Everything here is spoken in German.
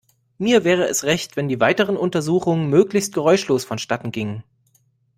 Mir wäre es recht, wenn die weiteren Untersuchungen möglichst geräuschlos vonstatten gingen.